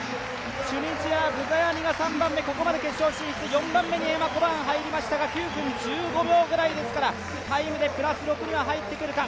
チュニジア、ブザヤニが３番目、ここまで決勝進出、４番目にエマ・コバーンが入りましたが９分１５秒ぐらいですからタイムでプラス６には入ってくるか。